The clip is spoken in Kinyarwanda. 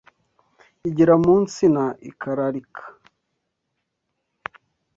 igera mu nsina ikararika.